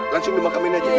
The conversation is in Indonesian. langsung dimakamin aja